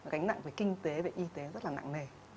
gánh nặng về kinh tế về y tế rất là nặng nề